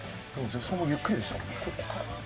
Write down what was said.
助走もゆっくりでしたもんね。